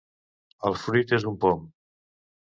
El fruit és un pom.